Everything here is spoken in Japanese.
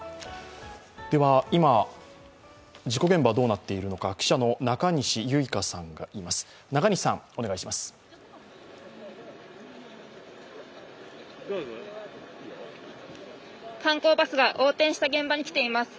今、事故現場はどうなっているのか、記者の中西さん、お願いします。